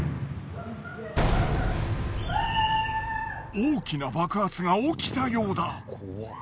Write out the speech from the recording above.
大きな爆発が起きたようだ。